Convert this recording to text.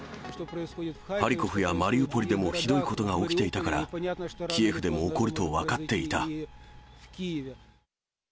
ハリコフやマリウポリでもひどいことが起きていたから、キエフでも起こると分かっていた。